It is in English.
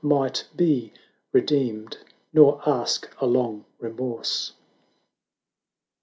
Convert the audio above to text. Might be redeemed, nor ask a long remorse. V.